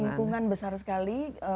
lingkungan besar sekali